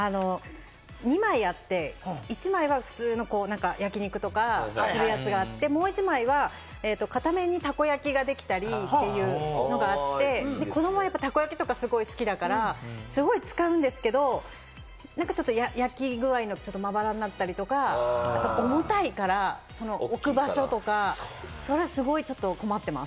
２枚あって、１枚は普通の焼き肉とかするやつがあって、もう１枚は片面にたこ焼きができたりというのがあって、子どもはたこ焼きとかすごい好きだから、すごく使うんですけれども、なんかちょっと焼き具合がまばらになったりとか、あと重たいから置く場所とかそれはすごい困ってます。